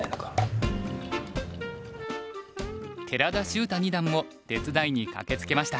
寺田柊汰二段も手伝いに駆けつけました。